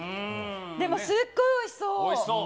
でもすっごいおいしそう。